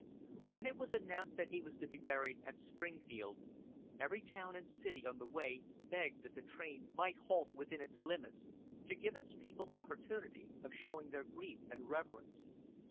When it was announced that he was to be buried at Springfield every town and city on the way begged that the train might halt within its limits, to give its people opportunity of showing their grief and reverence.